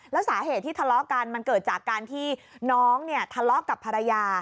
แล้วสาเหตุที่ทะเลาะกันมันเกิดจากการที่น้องเนี่ยทะเลาะกับภรรยา